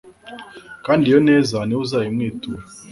kandi iyo neza ni we uzayimwitura